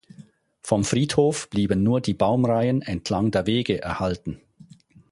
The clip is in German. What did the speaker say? Vom Friedhof blieben nur die Baumreihen entlang der Wege erhalten.